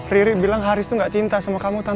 riri bilang haris tuh gak cinta sama kamu tan